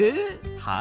はい。